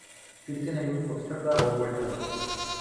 তিনি ছিলেন একজন প্রতিষ্ঠাতা ও পরিচালক।